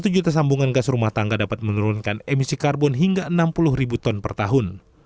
satu juta sambungan gas rumah tangga dapat menurunkan emisi karbon hingga enam puluh ribu ton per tahun